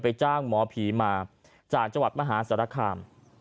จ้างหมอผีมาจากจังหวัดมหาสารคาม